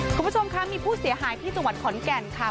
คุณผู้ชมคะมีผู้เสียหายที่จังหวัดขอนแก่นค่ะ